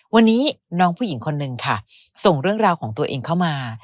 วันนี้น้องผู้หญิงคนนึงค่ะส่งเรื่องราวของตัวเองเข้ามา